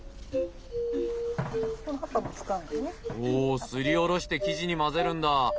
おおすりおろして生地に混ぜるんだ。